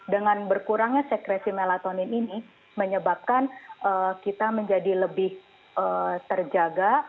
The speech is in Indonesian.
dengan berkurangnya sekresi melatonin ini menyebabkan kita menjadi lebih terjaga